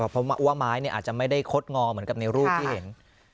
เพราะว่าไม้อาจจะไม่ได้คดงอเหมือนกับในรูปที่เห็น